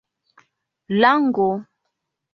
lango